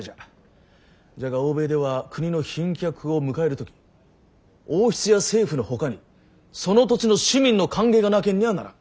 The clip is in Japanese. じゃが欧米では国の賓客を迎える時王室や政府のほかにその土地の市民の歓迎がなけんにゃあならん。